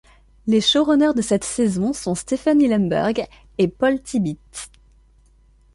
Les show runners de cette saison sont Stephen Hillenburg et Paul Tibbitt.